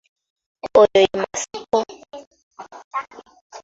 Oyo ye Masiiko.